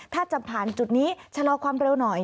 ถ้าจะผ่านจุดนี้ชะลอความเร็วหน่อย